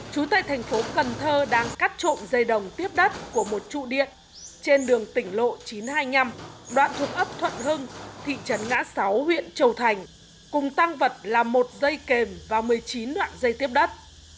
chú tại thành phố cần thơ đang cắt trộm dây đồng tiếp đất của một trụ điện trên đường tỉnh lộ chín trăm hai mươi năm đoạn thuộc ấp thuận hưng thị trấn ngã sáu huyện châu thành cùng tăng vật là một dây kèm và một mươi chín loại dây tiếp đất